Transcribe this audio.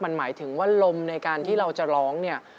มันหมายถึงว่าลมในการที่เราจะร้องเนี่ย